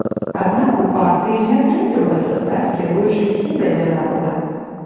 Аднак у партыі не атрымлівалася стаць кіруючай сілай для народа.